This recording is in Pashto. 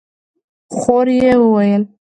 خور يې وويل: